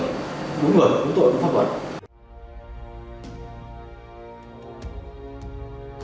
cũng người cũng tội cũng pháp luật